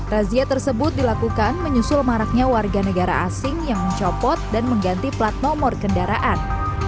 razia tersebut dilakukan menyusul maraknya warga negara asing yang mencopot dan mengganti plat nomor kendaraan